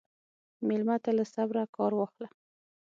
مېلمه ته له صبره کار واخله.